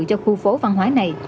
cho khu phố văn hóa này